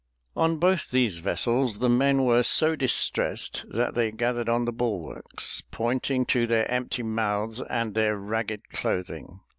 On both these vessels the men were so distressed that they gathered on the bulwarks, pointing to their empty mouths and their ragged clothing.